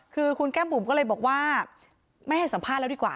คือคุณแก้มบุ๋มก็เลยบอกว่าไม่ให้สัมภาษณ์แล้วดีกว่า